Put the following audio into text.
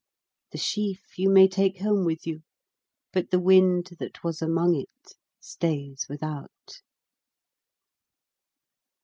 The sheaf you may take home with you, but the wind that was among it stays without.